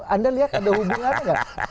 anda lihat ada hubungannya nggak